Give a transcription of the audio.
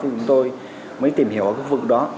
chúng tôi mới tìm hiểu ở khu vực đó